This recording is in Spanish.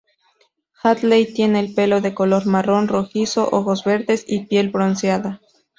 Hadley tiene el pelo de color marrón rojizo, ojos verdes, y piel bronceada.